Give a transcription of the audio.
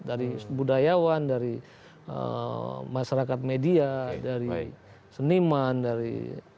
dari budayawan dari masyarakat media dari seniman dari